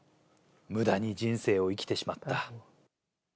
むだに人生を生きてしまった。